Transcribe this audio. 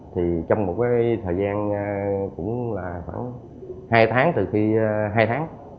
thì trong một thời gian cũng là khoảng hai tháng